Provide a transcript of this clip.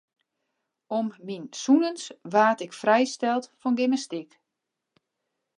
Om myn sûnens waard ik frijsteld fan gymnastyk.